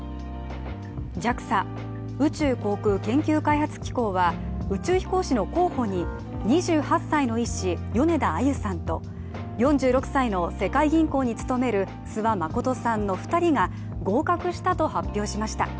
ＪＡＸＡ＝宇宙航空研究開発機構は宇宙飛行士の候補に２８歳の医師、米田あゆさんと４６歳の世界銀行に勤める諏訪理さんの２人が合格したと発表しました。